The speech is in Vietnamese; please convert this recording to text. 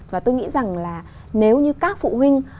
và tôi nghĩ rằng là nếu như các phụ huynh